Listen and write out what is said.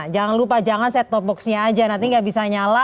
jangan lupa set top boxnya saja nanti tidak bisa nyala